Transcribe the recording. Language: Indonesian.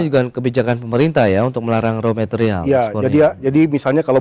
kita juga kebijakan pemerintah ya untuk melarang raw material yaun own iya jadi jadi misalnya kalau